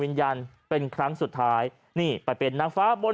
วิญญาณเป็นครั้งสุดท้ายนี่ไปเป็นน้องฟ้าบนสวรรค์นะ